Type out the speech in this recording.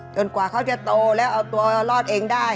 กว่าเขาจะโตแล้วเอาตัวรอดเองได้